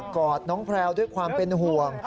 อดน้องแพลวด้วยความเป็นห่วง